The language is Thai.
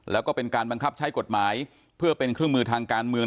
แล้วก็เป็นการบังคับใช้กฎหมายเพื่อเป็นเครื่องมือทางการเมือง